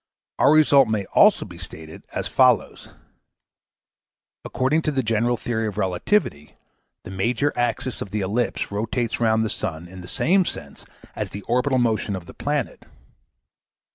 Our result may also be stated as follows : According to the general theory of relativity, the major axis of the ellipse rotates round the sun in the same sense as the orbital motion of the planet.